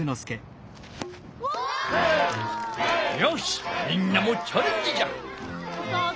よしみんなもチャレンジじゃ。